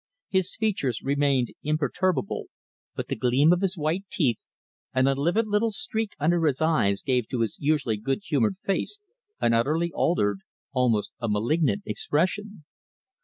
His features remained imperturbable, but the gleam of his white teeth, and a livid little streak under his eyes gave to his usually good humoured face an utterly altered, almost a malignant expression.